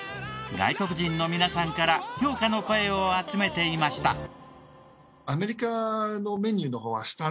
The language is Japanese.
外国人の皆さんから評価の声を集めていました。